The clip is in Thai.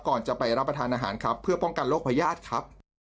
ก่อนจะไปรับประทานอาหารครับเพื่อป้องกันโรคพญาติครับ